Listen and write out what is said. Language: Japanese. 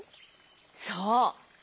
そう。